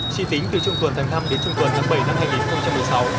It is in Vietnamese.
chỉ tính từ trung tuần tháng năm đến trung tuần tháng bảy năm hai nghìn một mươi sáu